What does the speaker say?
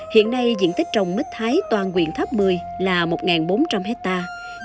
hiện nay diện tích trồng bích thái toàn huyện tháp mười là một bốn trăm linh hectare